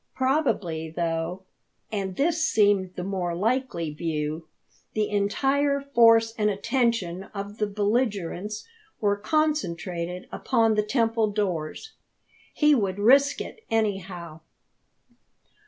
Probably, though and this seemed the more likely view the entire force and attention of the belligerents were concentrated upon the temple doors. He would risk it, anyhow!